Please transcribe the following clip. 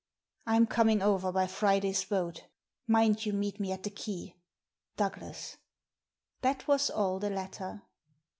I'm coming over by Friday's boat ; mind you meet it at the quay. — Douglas." That was all the letter.